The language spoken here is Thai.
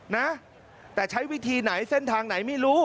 นะแต่ใช้วิธีไหนเส้นทางไหนไม่รู้